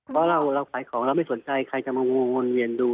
เพราะเราขายของเราไม่สนใจใครจะมาวนเวียนดู